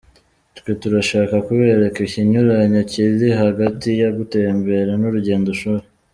Twe turashaka kubereka ikinyuranyo kiri hagati yo gutembera n’urugendo shuri.